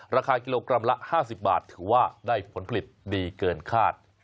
ราคากิโลกรัมละ๕๐บาทถือว่าได้ผลผลิตดีเกินคาด